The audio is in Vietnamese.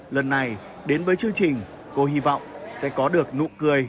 lần này đến với chương trình cô hy vọng sẽ có được nụ cười